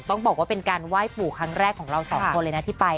ต้องบอกว่าเป็นการไหว้ปู่ครั้งแรกของเราสองคนเลยนะที่ไป